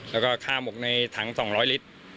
แล้วก็ค่าหมกในถัง๒๐๐ลิตร